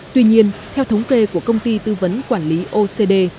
tuy nhiên theo thống kê của công ty tư vấn quản lý ocd